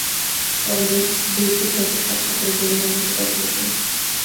Conrad ডিউকের সাথে সাক্ষাতের জন্য আমাকে পাঠিয়েছেন।